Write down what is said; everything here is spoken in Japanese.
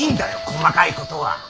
細かいことは。